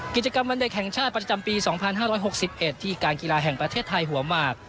กิจกรรมวันเด็กแห่งชาติประจำปี๒๕๖๑ที่การกีฬาแห่งประเทศไทยหัวหมาก